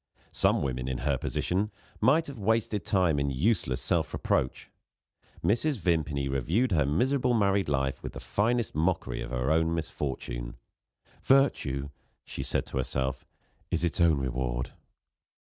Some women, in her position, might have wasted time in useless self reproach. Mrs. Vimpany reviewed her miserable married life with the finest mockery of her own misfortune. "Virtue," she said to herself, "is its own reward."